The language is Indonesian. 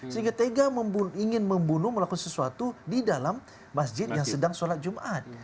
sehingga tega ingin membunuh melakukan sesuatu di dalam masjid yang sedang sholat jumat